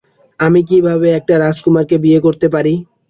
আমি কিভাবে একটা রাজকুমারকে বিয়ে করতে পারি?